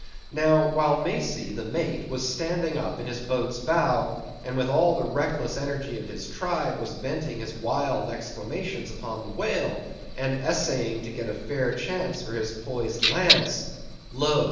Now, while Macey, the mate, was standing up in his boat's bow, and with all the reckless energy of his tribe was venting his wild exclamations upon the whale, and essaying to get a fair chance for his poised lance, lo!